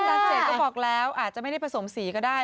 แต่อาจารย์เจดก็บอกแล้วอาจจะไม่ได้ผสมสีก็ได้